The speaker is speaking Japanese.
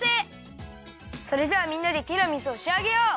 それじゃあみんなでティラミスをしあげよう！